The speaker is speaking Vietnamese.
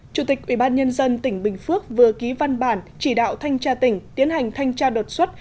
chủ tịch ubnd tỉnh bình phước vừa ký văn bản chỉ đạo thanh tra tỉnh tiến hành thanh tra đột xuất